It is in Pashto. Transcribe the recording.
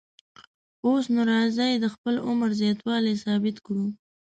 اوس نو راځئ د خپل عمر زیاتوالی ثابت کړو.